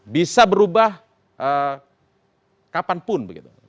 bisa berubah kapanpun